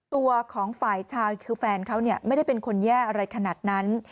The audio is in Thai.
ตัวของฝ่ายชายคือแฟนเขาไม่ได้เป็นคนแย่อะไรขนาดนั้น